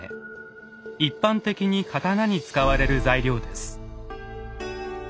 一般的に刀に使われる材料です。